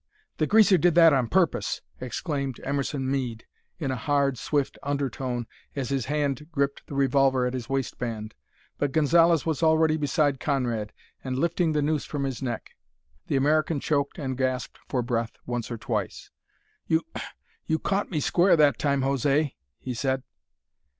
"The greaser did that on purpose!" exclaimed Emerson Mead in a hard, swift undertone, as his hand gripped the revolver at his waistband. But Gonzalez was already beside Conrad, and lifting the noose from his neck. The American choked and gasped for breath once or twice. "You you caught me square that time, José," he said.